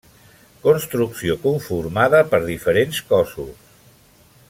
Construcció conformada per diferents cossos.